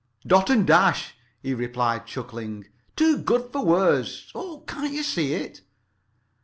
"Dot and Dash," he replied, chuckling. "Too good for words! Oh, can't you see it?"